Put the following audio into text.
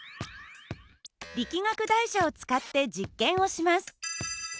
力学台車を使って実験をします。